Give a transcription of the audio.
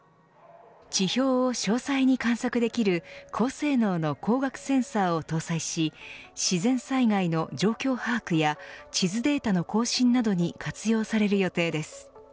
地表を詳細に観測できる高性能の光学センサーを搭載し自然災害の状況把握や地図データの更新などに活用される予定です。